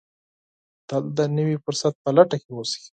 تل د نوي فرصت په لټه کې اوسئ.